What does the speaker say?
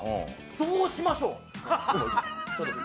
どうしましょう。